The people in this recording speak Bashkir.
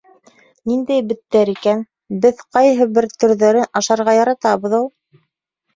— Ниндәй беттәр икән, беҙ ҡайһы бер төрҙәрен ашарға яратабыҙ ул.